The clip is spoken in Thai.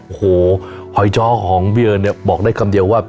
โอ้โหหอยเจ้าของพี่เอิญเนี่ยบอกได้คำเดียวว่า